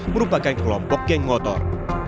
merupakan kelompok geng motor